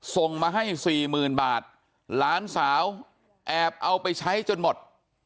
ส่งมาให้๔๐๐๐๐บาทหลานสาวแอบเอาไปใช้จนหมด